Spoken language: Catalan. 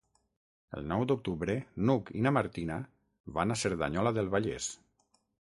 El nou d'octubre n'Hug i na Martina van a Cerdanyola del Vallès.